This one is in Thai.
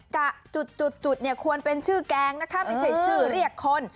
กะจุดควรเป็นชื่อแกงไม่ใช่ชื่อเรียกคน